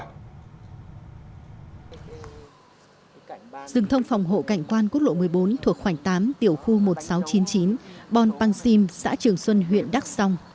rừng thông phòng hộ cảnh quan quốc lộ một mươi bốn thuộc khoảnh tám tiểu khu một nghìn sáu trăm chín mươi chín bon pang sim xã trường xuân huyện đắc song